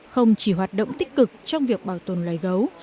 tổ chức cũng tích cực trong việc bảo tồn loài gấu